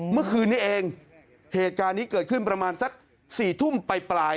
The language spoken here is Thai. เมื่อคืนนี้เองเหตุการณ์นี้เกิดขึ้นประมาณสัก๔ทุ่มไปปลาย